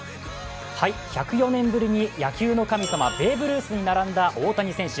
１０４年ぶりに野球の神様、ベーブ・ルースに並んだ大谷翔平選手。